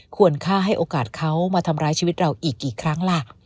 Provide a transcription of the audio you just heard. ควรฆ่าให้โอกาสเขามาทำร้ายชีวิตเราอีกกี่ครั้งล่ะ